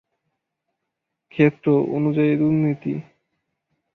ক্ষেত্র অনুযায়ী দুর্নীতি